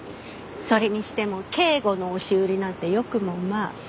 それにしても警護の押し売りなんてよくもまあ。